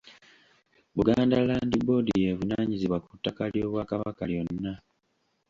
Buganda Land Board y'evunaanyizibwa ku ttaka ly'Obwakabaka lyonna.